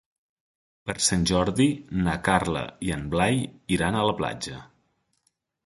Per Sant Jordi na Carla i en Blai iran a la platja.